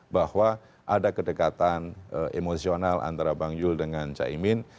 bahwa ada kedekatan emosional antara bang yul dengan caimin